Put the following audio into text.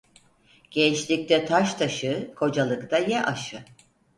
Gençlikte taş taşı, kocalıkta ye aşı.